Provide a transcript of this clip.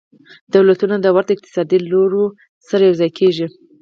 دولتونه د ورته اقتصادي لورو سره یوځای کیږي